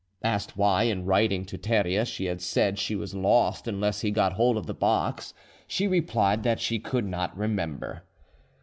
Asked why, in writing to Theria, she had said she was lost unless he got hold of the box, she replied that she could not remember.